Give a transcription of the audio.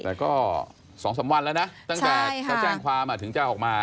แต่ก็๒๓วันแล้วนะตั้งแต่จะแจ้งความถึงจะออกมา